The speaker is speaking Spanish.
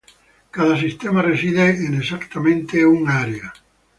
Cada sistema reside en exactamente un área.